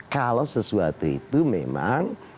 kalau sesuatu itu memang